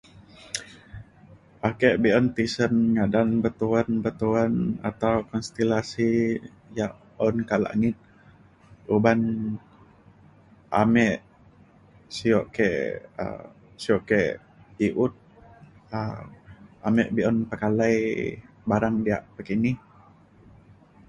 ake be’un tisen ngadan betuen betuen atau konstilasi yak un kak langit uban ame sio ke um sio ke i’ut um ame be’un pekalai barang diak pekini